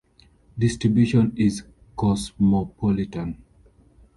Distribution is cosmopolitan.